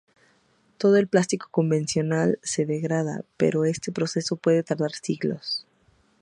Todo el plástico convencional se degrada, pero este proceso puede tardar siglos.